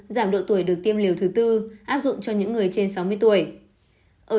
giảm độ tuổi được tiêm liều thứ tư áp dụng cho những người trên sáu mươi tuổi